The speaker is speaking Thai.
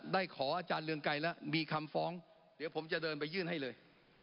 ได้ขออาจารย์เรืองไกรแล้วมีคำฟ้องเดี๋ยวผมจะเดินไปยื่นให้เลย